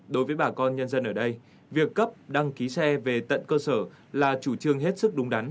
đối với bà con nhân dân ở đây việc cấp đăng ký xe về tận cơ sở là chủ trương hết sức đúng đắn